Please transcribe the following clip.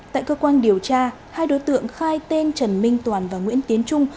tại cơ quan điều tra hai đối tượng khai tên trần minh toàn và nguyễn tiến trung